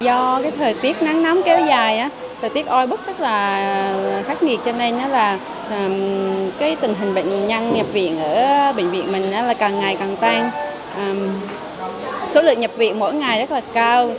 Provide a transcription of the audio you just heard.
ở bệnh viện mình là càng ngày càng tăng số lượng nhập viện mỗi ngày rất là cao